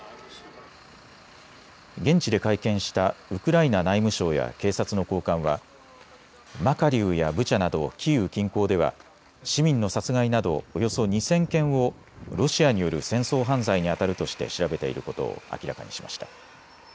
現地で会見したウクライナ内務省や警察の高官はマカリウやブチャなどキーウ近郊では市民の殺害などおよそ２０００件をロシアによる戦争犯罪にあたるとして調べていることを明らかにしました。